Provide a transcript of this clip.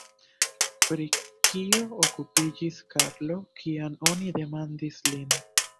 Pri kio okupiĝis Karlo, kiam oni demandis lin?